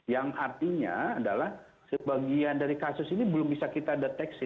yang artinya adalah sebagian dari kasus ini belum bisa kita deteksi